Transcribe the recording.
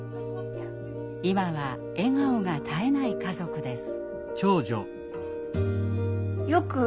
今は笑顔が絶えない家族です。